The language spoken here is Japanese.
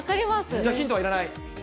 じゃあヒントはいらない？